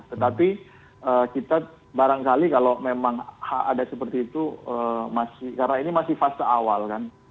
tetapi kita barangkali kalau memang ada seperti itu karena ini masih fase awal kan